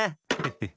ヘッ！